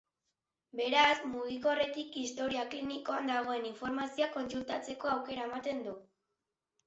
Beraz, mugikorretik historia klinikoan dagoen informazioa kontsultatzeko aukera ematen du.